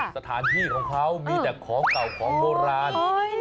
สถานที่ของเขามีแต่ของเก่าของโบราณ